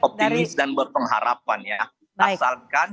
optimis dan berpengharapan ya asalkan